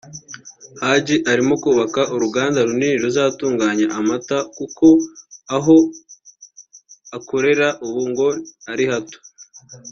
Haji arimo kubaka uruganda runini ruzatunganya amata kuko aho akorera ubu ngo ari hato